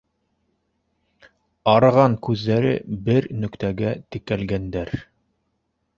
Арыған күҙҙәре бер нөктәгә текәлгәндәр.